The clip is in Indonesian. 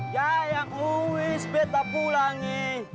jaya uis betapulangi